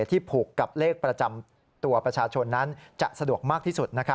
ที่ผูกกับเลขประจำตัวประชาชนนั้นจะสะดวกมากที่สุด